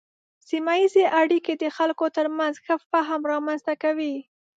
سیمه ایزې اړیکې د خلکو ترمنځ ښه فهم رامنځته کوي.